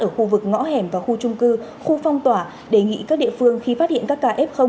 ở khu vực ngõ hẻm và khu trung cư khu phong tỏa đề nghị các địa phương khi phát hiện các ca f